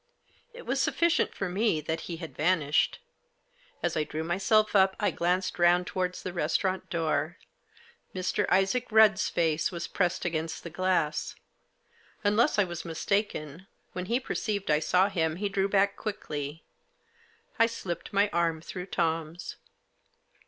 It was sufficient for me that he had vanished. As I drew myself up I glanced round to Digitized by Google LOCKED OUT. 13 wards the restaurant door. Mr. Isaac Rudd's face was pressed against the glass. Unless I was mistaken, when he perceived I saw him he drew back quickly. I slipped my arm through Tom's.